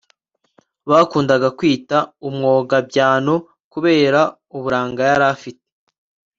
bakundaga kwita umwogabyano kubera uburanga yari afite